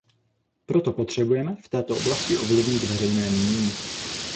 Proto potřebujeme v této oblasti ovlivnit veřejné mínění.